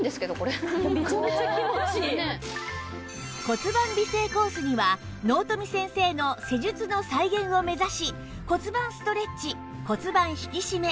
骨盤美整コースには納富先生の施術の再現を目指し骨盤ストレッチ骨盤引きしめ